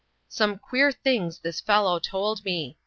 Some queer things this fellow told me.